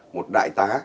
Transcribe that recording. một đại tá